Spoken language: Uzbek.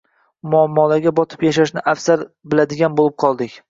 muammolarga botib yashashni afzal biladigan bo‘lib qoldik.